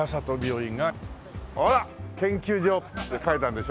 ほら研究所って書いてあるでしょ？